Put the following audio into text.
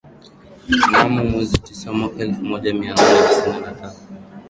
Mnamo mwezi wa tisa mwaka elfu moja mia nane tisini na tano